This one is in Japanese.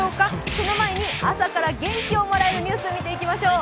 その前に朝から元気をもらうニュースを見ていきましょう。